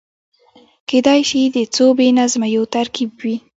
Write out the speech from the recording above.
کېدای شي د څو بې نظمیو ترکيب وي.